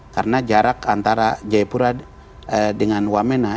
karena jarak antara jayapura dengan wamena